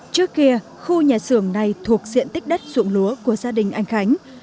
trước kia khu nhà xưởng này thuộc diện tích đất dụng lúa của gia đình anh khánh